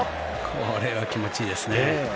これは気持ちいいですね。